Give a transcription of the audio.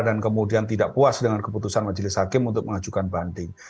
dan kemudian tidak puas dengan keputusan majelis hakim untuk mengajukan banding